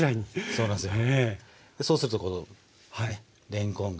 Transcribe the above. そうなんですよ。